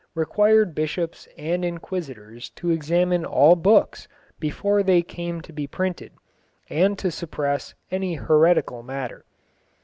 required Bishops and Inquisitors to examine all books before they came to be printed, and to suppress any heretical matter.